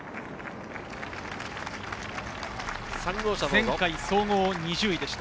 前回総合２０位でした。